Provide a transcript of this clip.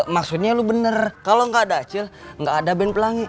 maksudnya lu benar kalau nggak ada acil nggak ada band pelangi